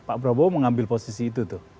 pak prabowo mengambil posisi itu tuh